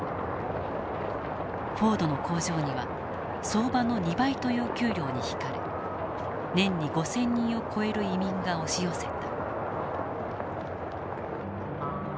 フォードの工場には相場の２倍という給料に引かれ年に５，０００人を超える移民が押し寄せた。